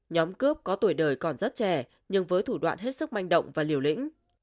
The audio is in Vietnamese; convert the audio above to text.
nhóm cướp có tuổi đời còn rất trẻ nhưng với thủ đoạn hết sức manh động và liều lĩnh